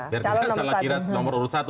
biar tidak salah kira nomor urut satu